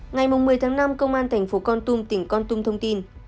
ngày một mươi tháng năm công an tp con tum tỉnh con tum thông tin